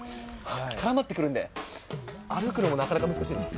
絡まってくるんで、歩くのもなかなか難しいです。